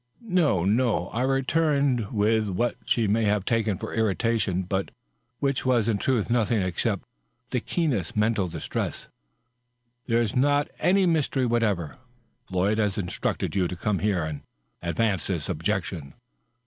" No, no," I returned, with what she may have taken for irritation, but which was in truth nothing except the keenest mental distress, "there is not any mystery whatever. Floyd has instructed you to come here and advance this objection."